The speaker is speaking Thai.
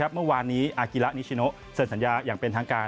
เมื่อวานนี้อากิระนิชิโนเสร็จสัญญาอย่างเป็นทางการ